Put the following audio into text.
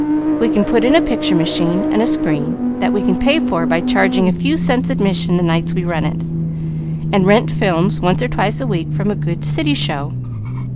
We can put in a picture machine and a screen, that we can pay for by charging a few cents admission the nights we run it, and rent films once or twice a week from a good city show.